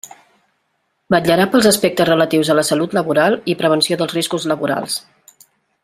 Vetllarà pels aspectes relatius a la salut laboral i prevenció dels riscos laborals.